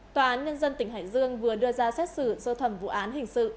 tòa án nhân dân tỉnh hải dương vừa đưa ra xét xử sơ thẩm vụ án hình sự